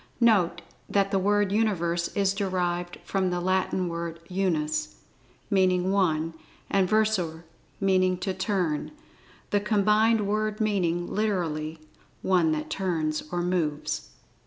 Note that the word Universe is derived from the Latin word "Unus," meaning "One," and "Versor," meaning "to turn," the combined word meaning, literally, "One that turns, or moves."